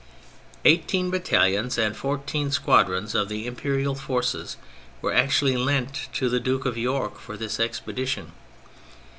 Eighteen battalions and fourteen squadrons of the Im perial forces were actually lent to the Duke of York for this expedition.